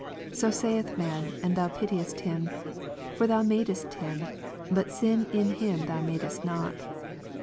Sosaithman, and Thou pitiest him; for Thou madest him, but sin in him Thou madest not.